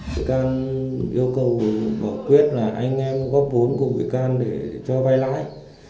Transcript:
vị can yêu cầu bảo quyết là anh em góp vốn của vị can để cho vai lãi